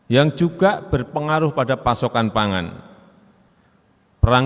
yang juga berpengaruh pada pasokan pangan